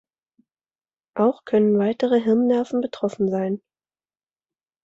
Auch können weitere Hirnnerven betroffen sein.